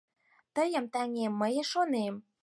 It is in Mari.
Тыйым, таҥем, мые шонем